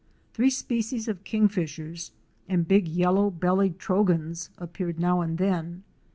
Three species of Kingfishers *" and big Yellow bellied Trogons" appeared now and then.